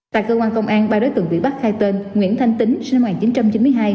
tại cơ quan công an ba đối tượng bị bắt khai tên nguyễn thanh tính sinh năm một nghìn chín trăm chín mươi hai